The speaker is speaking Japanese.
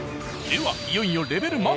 ではいよいよレベルＭＡＸ。